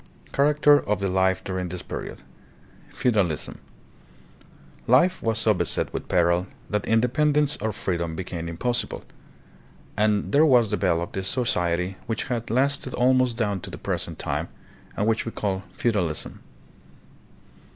Character of the Life during this Period. Feudalism. Life was so beset with peril that independence or free dom became impossible, and there was developed a so ciety which has lasted almost down to the present time, and which we call Feudalism.